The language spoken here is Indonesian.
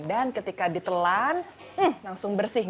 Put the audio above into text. dan ketika ditelan langsung bersih